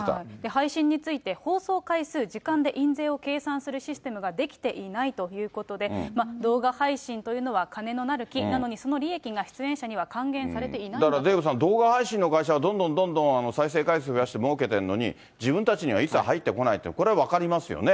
配信について、放送回数、時間で印税を計算するシステムができていないということで、動画配信というのは金のなる木なのに、なのにその利益が出演者には還元だからデーブさん、動画配信の会社はどんどんどんどん再生回数増やしてもうけてるのに、自分たちには一切入ってこないって、これは分かりますよね。